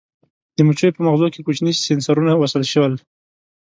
د مچیو په مغزو کې کوچني سېنسرونه وصل شول.